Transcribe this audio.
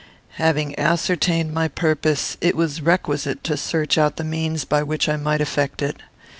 "Having ascertained my purpose, it was requisite to search out the means by which I might effect it.